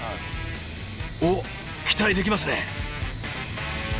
おっ期待できますね。